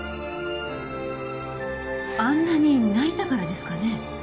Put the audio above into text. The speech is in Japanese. あんなに泣いたからですかね？